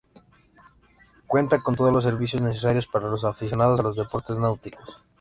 Cuenta con todos los servicios necesarios para los aficionados a los deportes náuticos.